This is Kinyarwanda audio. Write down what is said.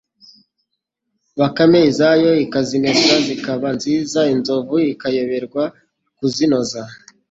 bakame izayo ikazimesa zikaba nziza inzovu ikayoberwa kuzinoza